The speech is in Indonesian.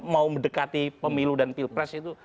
mau mendekati pemilu dan pilpres itu